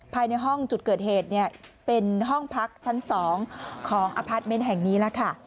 ภายในห้องจุดเกิดเหตุเนี่ยเป็นห้องพักชั้น๒ของอพาร์ทเมนต์แห่งนี้แล้วค่ะ